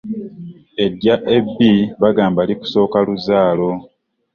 Eddya ebbi bagamba likusooka luzaalo.